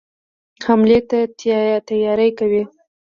حملې ته تیاری کوي.